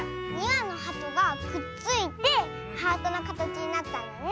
２わのハトがくっついてハートのかたちになったんだね。